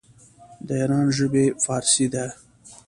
د ایران ژبې فارسي ده.